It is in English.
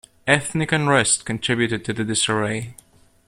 Ethnic unrest contributed to the disarray.